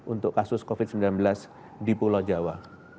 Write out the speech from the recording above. untuk kasus covid sembilan belas di pulau jawa